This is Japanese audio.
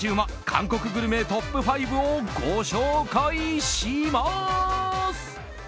韓国グルメトップ５をご紹介します。